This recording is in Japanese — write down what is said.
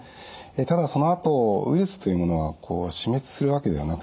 ただそのあとウイルスというものは死滅するわけではなくてですね